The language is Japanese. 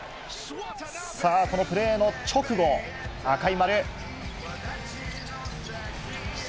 さあ、このプレーの直後、赤い丸。